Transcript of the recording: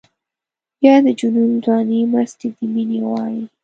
بیا د جنون ځواني مستي د مینې غواړي.